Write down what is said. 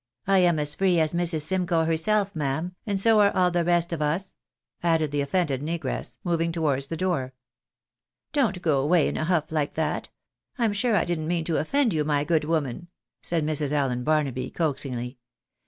I am as free as Mrs. Simcoe herself, ma'am, and so are all the rest of us," added the offended negress, moving towards the door. " Don't go away in a huff like that — I'm sure I didn't mean to offend you, my good woman," said Mrs. \llen Barnaby, coaxingly.